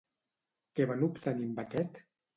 Què van obtenir amb aquest?